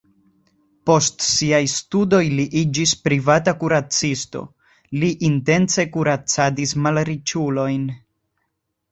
Post siaj studoj li iĝis privata kuracisto, li intence kuracadis malriĉulojn.